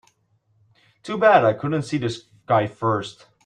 Too bad I couldn't see this guy first.